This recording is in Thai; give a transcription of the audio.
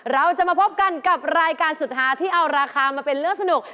เราจะมาพบกันกับรายการสุดท้ายที่เอาราคามาเป็นเรื่องสนุก